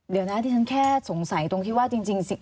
เดี๋ยวนะที่ฉันแค่สงสัยตรงที่ว่าจริง